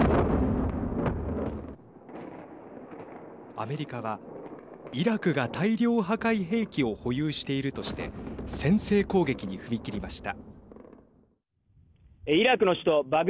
アメリカはイラクが大量破壊兵器を保有しているとして先制攻撃に踏み切りました。